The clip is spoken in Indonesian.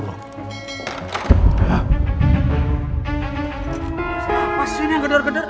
kenapa sih ini yang gedor gedor